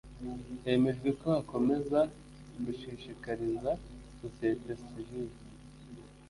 hemejwe ko hakomeza gushishikariza sosiyete sivile